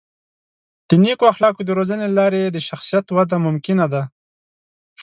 د نیکو اخلاقو د روزنې له لارې د شخصیت وده ممکنه ده.